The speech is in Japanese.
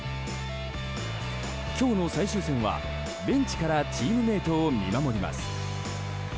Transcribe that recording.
今日の最終戦はベンチからチームメートを見守ります。